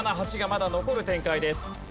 ７８がまだ残る展開です。